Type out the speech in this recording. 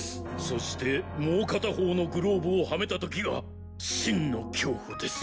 そしてもう片方のグローブをはめたときが真の恐怖です。